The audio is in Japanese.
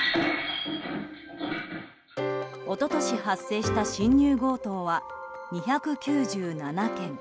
一昨年発生した侵入強盗は２９７件。